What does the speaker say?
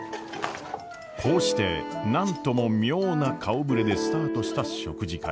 こうして何とも妙な顔ぶれでスタートした食事会。